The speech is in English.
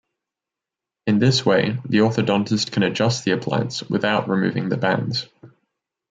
In this way the orthodontist can adjust the appliance without removing the bands.